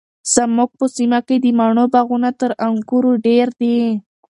زموږ په سیمه کې د مڼو باغونه تر انګورو ډیر دي.